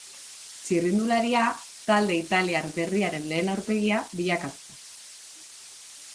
Txirrindularia, talde italiar berriaren lehen aurpegia bilakatu da.